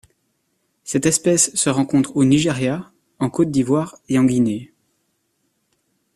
Cette espèce se rencontre au Nigeria, en Côte d'Ivoire et en Guinée.